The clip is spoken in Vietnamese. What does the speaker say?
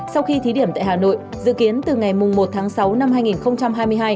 sau khi thí điểm tại hà nội dự kiến từ ngày một tháng sáu năm hai nghìn hai mươi hai